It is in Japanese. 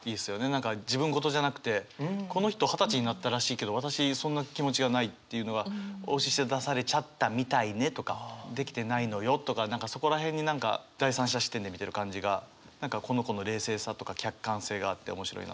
何か自分事じゃなくてこの人二十歳になったらしいけど私そんな気持ちがないっていうのは「押し出されちゃったみたいね」とか「できてないのよ」とか何かそこら辺に何か第三者視点で見てる感じが何かこの子の冷静さとか客観性があって面白いなと思いましたね。